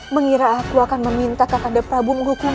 mengira aku akan meminta kakanda prabu menghukummu